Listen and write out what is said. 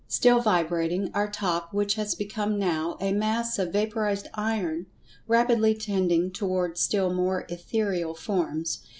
Still vibrating, our Top, which has become now a Mass of Vaporized Iron, rapidly tending toward still more ethereal forms.